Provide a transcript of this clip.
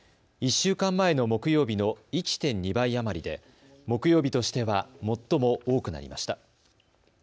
１週間前の木曜日の１．２倍余りで木曜日としては最も多くなりました。